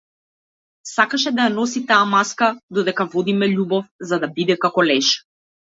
Сакаше да ја носи таа маска додека водиме љубов, за да биде како леш.